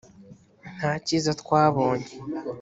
nta cyiza twabonye